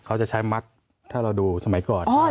เขาจะใช้มักถ้าเราดูสมัยก่อน